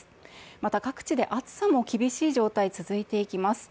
また各地で暑さも厳しい状態が続いていきます。